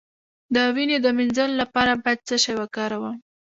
د وینې د مینځلو لپاره باید څه شی وکاروم؟